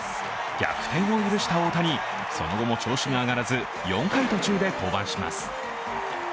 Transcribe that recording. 逆転を許した大谷、その後も調子が上がらず４回途中で降板します。